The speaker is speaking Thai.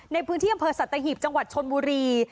ในพื้นที่อำเภอสัตหีบจังหวัดชนบุรี